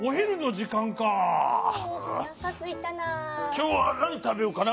きょうはなにたべようかな。